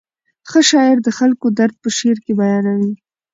ښه شاعر د خلکو درد په شعر کې بیانوي.